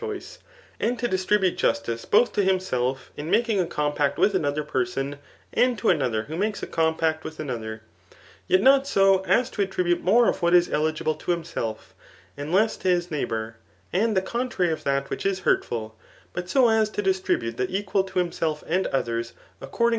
choice, and to distribute justice both to himself, in making a compact' with ano^ ther person, and to another who makes a compact with another ; yet not so, as to attribute more of what is eli« git>le to himself, and less to his neighbour, and the con* trary of that which is hurtful^ but so as to distribute the eqi^l [to hiftiself and others] according to analogy.